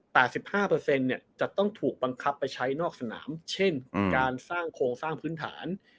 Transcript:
สิบห้าเปอร์เซ็นต์เนี่ยจะต้องถูกบังคับไปใช้นอกสนามเช่นการสร้างโครงสร้างพื้นฐาน